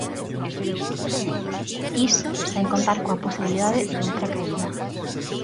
Iso sen contar coa posibilidade de outra caída.